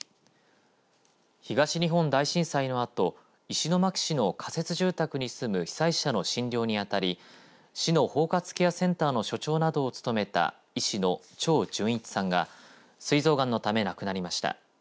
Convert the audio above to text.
東日本大震災のあと石巻市の仮設住宅に住む被災者の診療に当たり市の包括ケアセンターの所長などを務めた医師の長純一さんがすい臓がんのため亡くなりました。